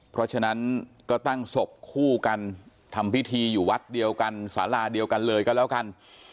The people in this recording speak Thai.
เพราะฉะนั้นก็ตั้งศพคู่กันทำพิธีอยู่วัดเดียวกันสาราเดียวกันเลยก็แล้วกัน